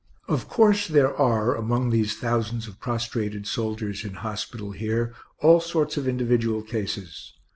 Of course there are among these thousands of prostrated soldiers in hospital here all sorts of individual cases.